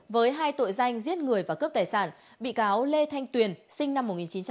với hai tội danh giết người và cướp tài sản bị cáo lê thanh tuyền sinh năm một nghìn chín trăm tám mươi